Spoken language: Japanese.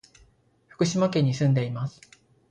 福島県に住んでいます。